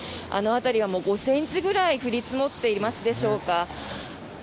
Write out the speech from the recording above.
あの辺りは５ｃｍぐらい降り積もっていますでしょうか。